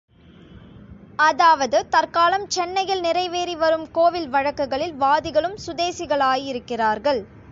அதாவது தற்காலம் சென்னையில் நிறைவேறி வரும் கோவில் வழக்குகளில் வாதிகளும் சுதேசிகளாயிருக்கிறார்கள்.